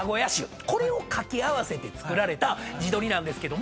これを掛け合わせてつくられた地鶏なんですけども。